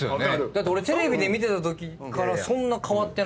だって俺テレビで見てたときからそんな変わってないっていうか。